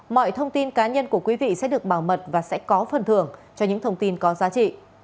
mọi thông tin cá nhân của quý vị sẽ được bảo mật và sẽ có phần thưởng cho những thông tin có giá trị